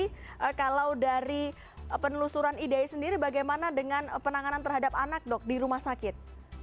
jadi masalahnya kalau dari penelusuran idai sendiri bagaimana dengan penanganan terhadap anak dok di rumah sakit